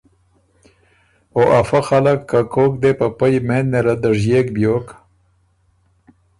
او ا فۀ خلق که کوک دی په پۀ یمېند نېله دژيېک بیوک